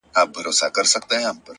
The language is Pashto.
د یخې اوبو لومړی څاڅکی بدن بیداروي.